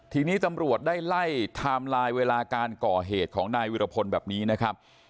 ทีนี้ตำรวจได้ไล่ไทม์ไลน์เวลาการก่อเหตุของนายวิรพลแบบนี้นะครับ